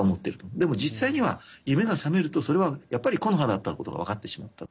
でも実際には夢が覚めるとそれはやっぱり木の葉だったことが分かってしまった。